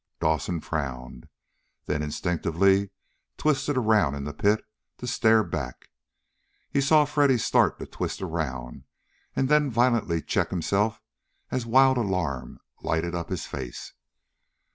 Dawson frowned, then instinctively twisted around in the pit to stare back. He saw Freddy start to twist around, and then violently check himself as wild alarm lighted up his face.